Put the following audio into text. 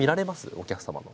お客様の。